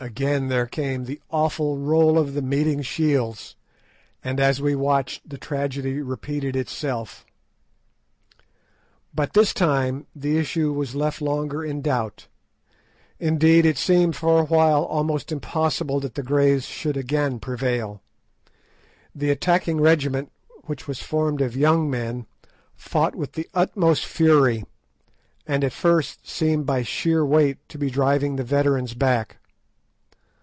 Again there came the awful roll of the meeting shields, and as we watched the tragedy repeated itself. But this time the issue was left longer in doubt; indeed, it seemed for awhile almost impossible that the Greys should again prevail. The attacking regiment, which was formed of young men, fought with the utmost fury, and at first seemed by sheer weight to be driving the veterans back.